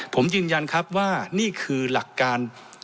ผมยืนยันครับว่านี่คือหลักการ